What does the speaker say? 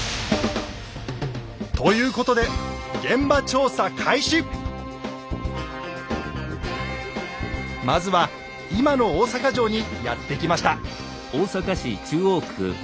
ということでまずは今の大坂城にやって来ました。